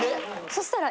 そしたら。